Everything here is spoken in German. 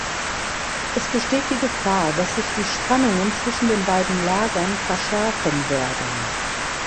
Es besteht die Gefahr, dass sich die Spannungen zwischen den beiden Lagern verschärfen werden.